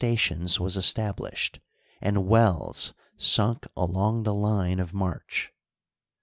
tions was established and wells sunk along the line of march.